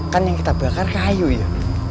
kan yang kita bakar kayu ya